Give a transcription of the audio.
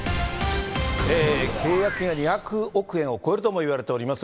契約金が２００億円を超えるともいわれております